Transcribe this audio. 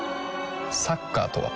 サッカーとは？